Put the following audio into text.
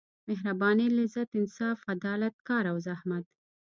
مهربانۍ لذت انصاف عدالت کار او زحمت.